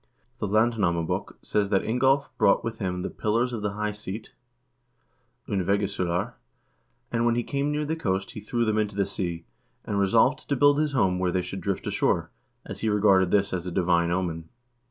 The "Landnamabok" says that Ingolv brought with him the pillars of the high seat (ondvegissulur), and when he came near the coast be threw them into the sea, and resolved to build his home where they should drift ashore, as he regarded this as a divine omen.